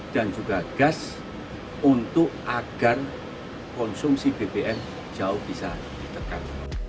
dan juga gas untuk agar konsumsi bbm jauh bisa ditekan